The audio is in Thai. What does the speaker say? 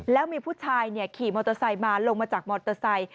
แล้วมีผู้ชายขี่มอเตอร์ไซค์มาลงมาจากมอเตอร์ไซค์